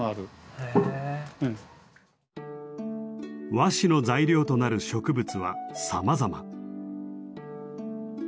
和紙の材料となる植物はさまざま。